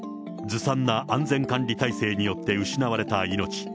ずさんな安全管理体制によって失われた命。